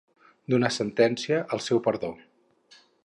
Donar sentència, el seu perdó.